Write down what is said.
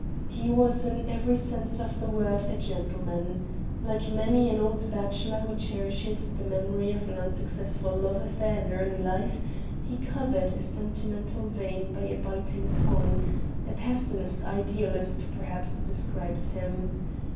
He was in every sense of the word a gentleman. Like many an old bachelor who cherishes the memory of an unsuccessful love affair in early life, he covered a sentimental vein by a biting tongue a pessimist idealist perhaps describes him.